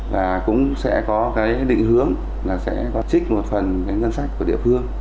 và cũng sẽ có cái định hướng là sẽ có trích một phần cái ngân sách của địa phương